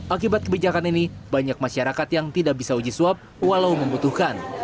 akibat kebijakan ini banyak masyarakat yang tidak bisa uji swab walau membutuhkan